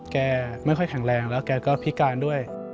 แกไม่ค่อยแข็งแรงแล้วแกก็พิการด้วย